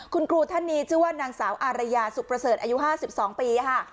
คุณครูท่านนี้ชื่อว่านางสาวอารยาสุขประเสริฐอายุ๕๒ปีค่ะ